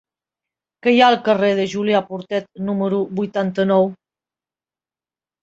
Què hi ha al carrer de Julià Portet número vuitanta-nou?